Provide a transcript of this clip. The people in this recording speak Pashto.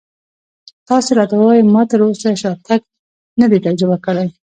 تاسې راته ووایئ ما تراوسه شاتګ نه دی تجربه کړی.